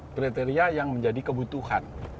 kriteria yang menjadi kebutuhan